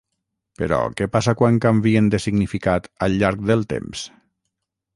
Però què passa quan canvien de significat al llarg del temps?